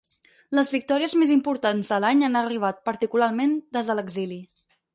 Les victòries més importants de l’any han arribat, particularment, des de l’exili.